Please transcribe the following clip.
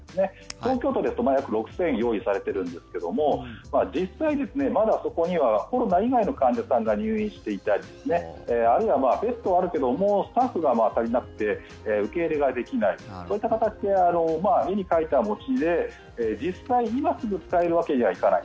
東京都ですと約６０００用意されてるんですけども実際、まだそこにはコロナ以外の患者さんが入院していたりあるいはベッドはあるけどスタッフが足りなくて、受け入れができないそういった形で絵に描いた餅で実際、今すぐに使えるわけじゃない。